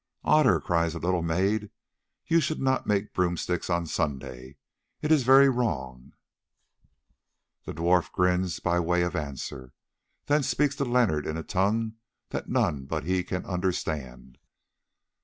"Otter," cries a little maid, "you should not make broom sticks on Sunday, it is very wrong." The dwarf grins by way of answer, then speaks to Leonard in a tongue that none but he can understand.